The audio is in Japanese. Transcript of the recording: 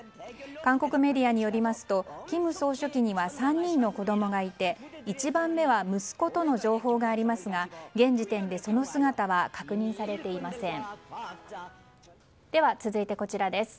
韓国メディアによりますと金総書記には３人の子供がいて１番目は息子との情報がありますが現時点でその姿は確認されていません。